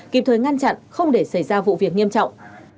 kịp thời ngăn chặn không để xảy ra vụ việc nghiêm trọng